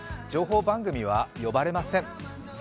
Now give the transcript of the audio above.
情報番組は呼ばれません。